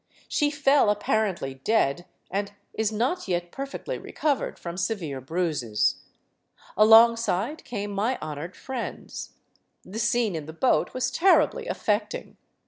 She fell, apparently dead, and is not yet perfectly recovered from severe bruises. Alongside came my honored friends. The scene in the boat was terribly affecting.